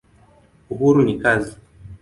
Uhuru ni kazi.